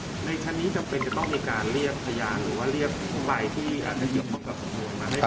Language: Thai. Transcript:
ในชั้นนี้จำเป็นจะต้องมีการเรียกพยานหรือว่าเรียกใบที่อาจจะเกี่ยวข้องกับสำนวนมาให้ฟัง